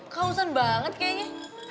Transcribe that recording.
kausan banget kayaknya